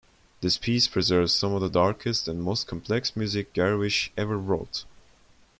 This piece preserves some of the darkest and most complex music Gershwin ever wrote.